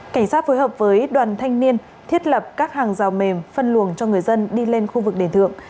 cảnh sát phối hợp với đoàn thanh niên thiết lập các hàng rào mềm phân luồng cho người dân đi lên khu vực đền thượng